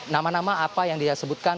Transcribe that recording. nama nama apa yang dia sebutkan